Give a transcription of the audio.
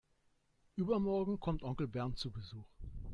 Übermorgen kommt Onkel Bernd zu Besuch.